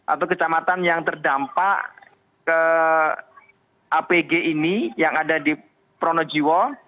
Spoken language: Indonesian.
atau kecamatan yang terdampak ke apg ini yang ada di pronojiwo